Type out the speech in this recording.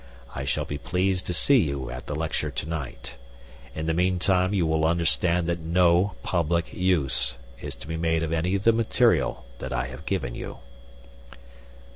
I shall be pleased to see you at the lecture to night. In the meantime, you will understand that no public use is to be made of any of the material that I have given you."